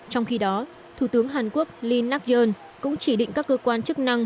trong khi đó thủ tướng hàn quốc lee nak yoon cũng chỉ định các cơ quan chức năng